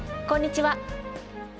こんにちは。